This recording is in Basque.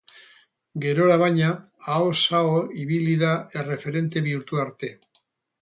Gerora baina, ahoz aho ibili da, erreferente bihurtu arte.